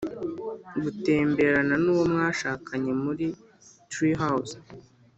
gutemberana nuwo mwashakanye muri treehouse